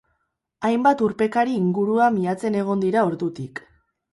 Hainbat urpekari ingurua miatzen egon dira ordutik.